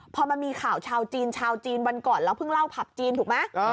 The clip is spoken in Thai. พอมันมีข่าวชาวจีนชาวจีนวันก่อนเราเพิ่งเล่าผับจีนถูกไหม